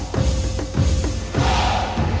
ตอนต่อไป